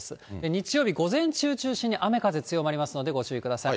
日曜日、午前中中心に雨風強まりますので、ご注意ください。